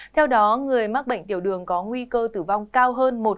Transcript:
theo đó người mắc bệnh tiểu đường có nguy cơ tử vong cao hơn một tám mươi bảy lần